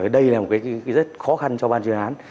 đây là một rất khó khăn cho ban chuyên án